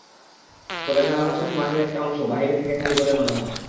ফলে সারা বছরই মাঠের একটা অংশ বাহির থেকে খালি বলে মনে হয়।